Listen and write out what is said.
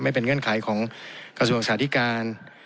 ไม่เป็นเงื่อนไขของกระทรวงสาธิการ